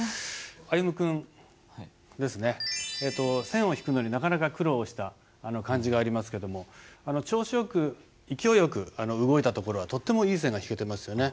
線を引くのになかなか苦労した感じがありますけども調子よく勢いよく動いたところはとってもいい線が引けてますよね。